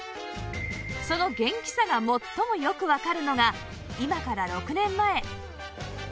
その元気さが最もよくわかるのが今から６年前